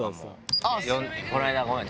この間ごめん。